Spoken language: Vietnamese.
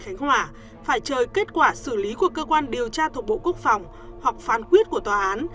khánh hòa phải chờ kết quả xử lý của cơ quan điều tra thuộc bộ quốc phòng hoặc phán quyết của tòa án